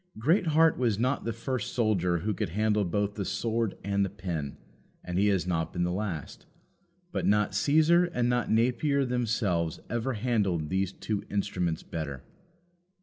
Greatheart was not the first soldier who could handle both the sword and the pen, and he has not been the last. But not Caesar and not Napier themselves ever handled those two instruments better.